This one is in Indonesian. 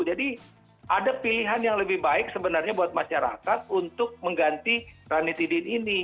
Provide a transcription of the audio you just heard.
jadi ada pilihan yang lebih baik sebenarnya buat masyarakat untuk mengganti ranitidid ini